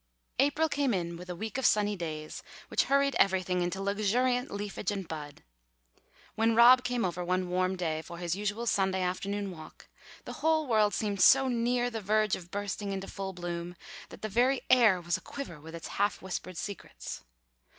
April came in with a week of sunny days which hurried everything into luxuriant leafage and bud. When Rob came over one warm day for his usual Sunday afternoon walk, the whole world seemed so near the verge of bursting into full bloom that the very air was aquiver with its half whispered secrets.